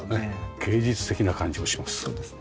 芸術的な感じがします。